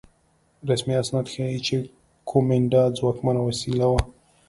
رسمي اسناد ښيي چې کومېنډا ځواکمنه وسیله وه.